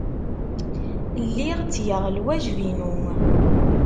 Lliɣ ttgeɣ lwajeb-inu.